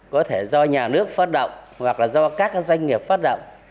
có thể do nhà nước phát động hoặc là do các doanh nghiệp phát động